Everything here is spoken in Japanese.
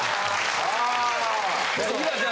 いきましょう。